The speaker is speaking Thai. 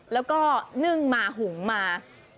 แล้วก็นึ่งมาหุงมา